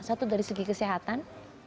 satu dari segi kesehatan